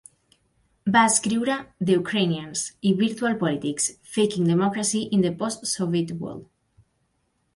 Va escriure 'The Ukrainians' i 'Virtual Politics: Faking Democracy in the Post-Soviet World'.